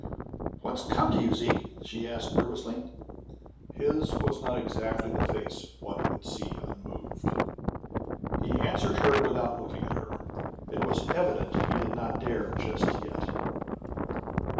"What's come to you, Zeke?" she asked nervously. His was not exactly the face one would see unmoved! He answered her without looking at her. It was evident he did not dare just yet.